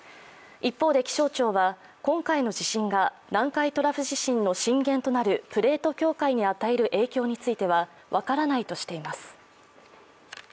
一方で、気象庁は今回の地震が、南海トラフ地震の震源となるプレート境界に与える影響については、分からないとしています。